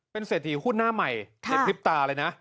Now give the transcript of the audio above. เป็นเศรษฐีหุ้นหน้าใหม่ในพริบตาเลยนะ